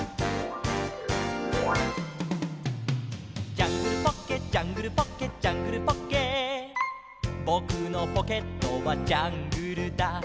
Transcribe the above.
「ジャングルポッケジャングルポッケ」「ジャングルポッケ」「ぼくのポケットはジャングルだ」